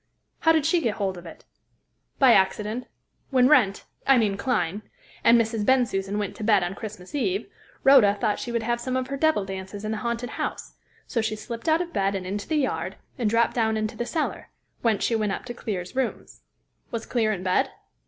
How did she get hold of it?" "By accident. When Wrent I mean Clyne and Mrs. Bensusan went to bed on Christmas Eve, Rhoda thought she would have some of her devil dances in the haunted house; so she slipped out of bed and into the yard, and dropped down into the cellar, whence she went up to Clear's rooms." "Was Clear in bed?"